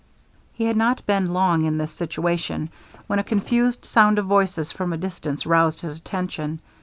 He had not been long in this situation, when a confused sound of voices from a distance roused his attention.